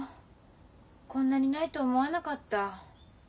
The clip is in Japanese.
こんなにないと思わなかった。